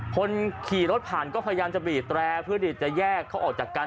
คนขี่รถผ่านก็พยายามจะบีบแตรเพื่อที่จะแยกเขาออกจากกัน